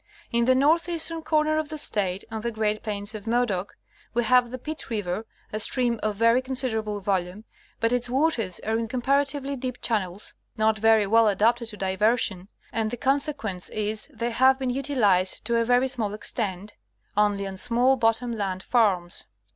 In the northeastern corner of the State, on the great plains of Modoc, we have the Pitt river, a stream of very considerable volume, but its waters are in comparatively deep channels, not very well adapted to diversion, and the. consequence is, they have been utilized to a very small extent, only on small bottom land farms.